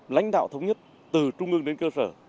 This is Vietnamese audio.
lãnh đạo thống nhất từ trung ương đến cơ sở